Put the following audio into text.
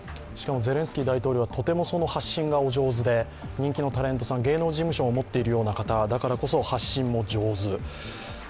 しかもゼレンスキー大統領はとても発信がお上手で人気のタレントさん、芸能事務所を持っているような方だからこそ発信も上手。